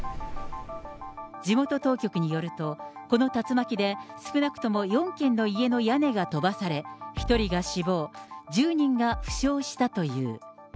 地元当局によると、この竜巻で、少なくとも４軒の家の屋根が飛ばされ、１人が死亡、１０人が負傷したという。